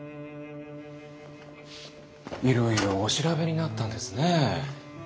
いろいろお調べになったんですね？